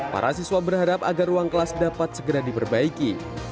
para siswa berharap agar ruang kelas dapat segera diperbaiki